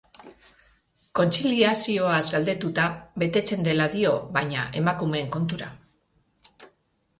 Kontziliazioaz galdetuta, betetzen dela dio baina, emakumeen kontura.